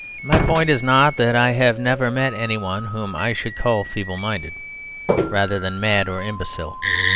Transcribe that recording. My point is not that I have never met anyone whom I should call feeble minded, rather than mad or imbecile.